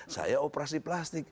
saya operasi plastik